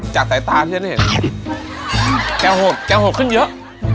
แก้วหกแก้วหกขึ้นเยอะ